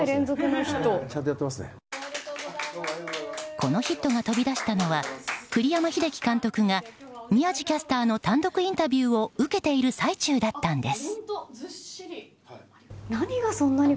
このヒットが飛び出したのは栗山英樹監督が宮司キャスターの単独インタビューを受けている最中だったんです。